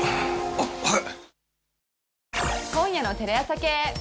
あっはい。